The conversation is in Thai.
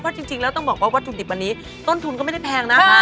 เพราะจริงแล้วต้องบอกว่าวัตถุดิบวันนี้ต้นทุนก็ไม่ได้แพงนะคะ